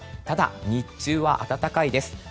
ただ、日中は暖かいです。